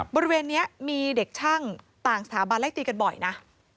บริเวณนี้มีเด็กช่างต่างสถาบันไล่ตีกันบ่อยนะ